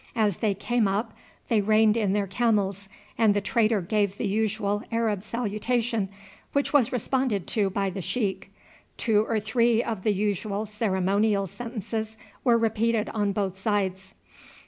As they came up they reined in their camels and the trader gave the usual Arab salutation, which was responded to by the sheik. Two or three of the usual ceremonial sentences were repeated on both sides.